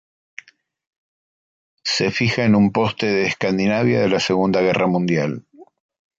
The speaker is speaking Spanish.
Se fija en un poste de Escandinavia de la Segunda Guerra Mundial.